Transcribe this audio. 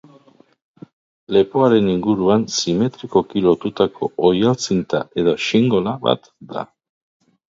Lepoaren inguruan simetrikoki lotutako oihal zinta edo xingola bat da.